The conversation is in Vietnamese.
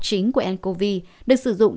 chính của ncov được sử dụng